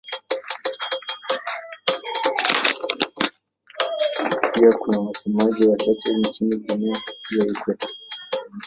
Pia kuna wasemaji wachache nchini Guinea ya Ikweta.